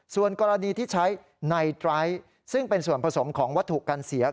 ส่วนกรณีที่ใช้ในไตรซึ่งเป็นส่วนผสมของวัตถุกันเสีย